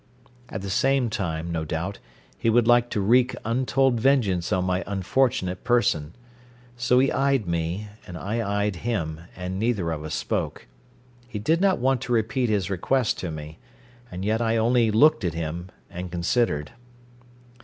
At the same time, no doubt, he would like to wreak untold vengeance on my unfortunate person. So he eyed me, and I eyed him, and neither of us spoke. He did not want to repeat his request to me. And yet I only looked at him, and considered.